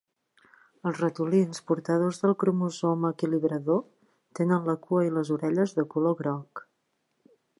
Els ratolins portadors del cromosoma equilibrador tenen la cua i les orelles de color groc.